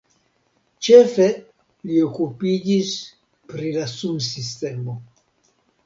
Ĉefe li okupiĝis pri la sunsistemo.